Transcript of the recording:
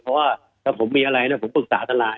เพราะว่าถ้าผมมีอะไรผมปรึกษาทนาย